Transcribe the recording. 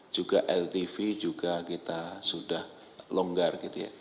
juga ltv juga kita sudah longgar